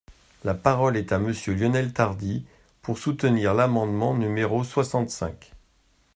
La parole est à Monsieur Lionel Tardy, pour soutenir l’amendement numéro soixante-cinq.